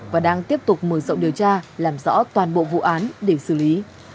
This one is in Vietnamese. và đang tiếp tục mở rộng điều tra làm rõ toàn bộ vụ án để xử lý